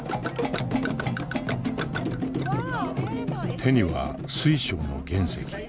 手には水晶の原石。